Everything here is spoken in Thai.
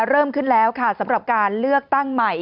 เริ่มขึ้นแล้วค่ะสำหรับการเลือกตั้งใหม่